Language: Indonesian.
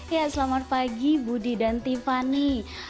ya selamat pagi budi dan tiffany